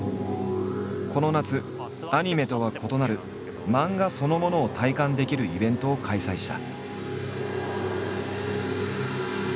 この夏アニメとは異なる漫画そのものを体感できるイベントを開催した。